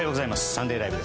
「サンデーＬＩＶＥ！！」